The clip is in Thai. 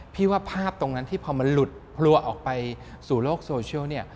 ว่าภาพตรงนั้นที่พอมันหลุดพลัวออกไปสู่โลกโซเชียลเนี่ย